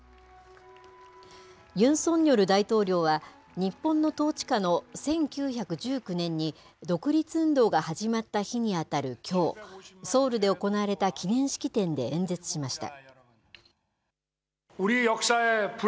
ユン・ソンニョル大統領は、日本の統治下の１９１９年に独立運動が始まった日に当たるきょう、ソウルで行われた記念式典で演説しました。